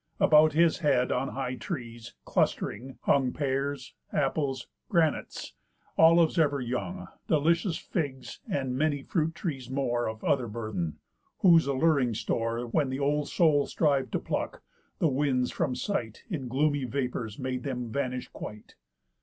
About his head, on high trees, clust'ring, hung Pears, apples, granates, olives ever young, Delicious figs, and many fruit trees more Of other burden; whose alluring store When th' old soul striv'd to pluck, the winds from sight, In gloomy vapours, made them vanish quite.